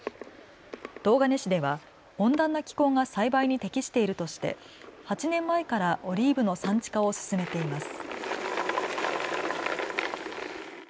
東金市では温暖な気候が栽培に適しているとして８年前からオリーブの産地化を進めています。